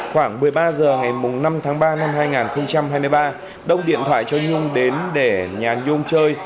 khoảng một mươi ba h ngày năm tháng ba năm hai nghìn hai mươi ba đông điện thoại cho nhung đến để nhà nhung chơi